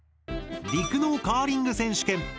陸のカーリング選手権！